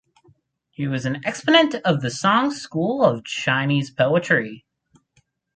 He was an exponent of the Song school of Chinese poetry.